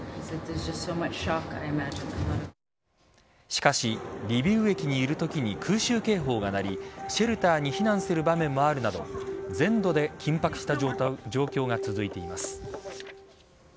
しかし、リビウ駅にいるときに空襲警報が鳴りシェルターに避難する場面もあるなど全土で緊迫した状況が続いています。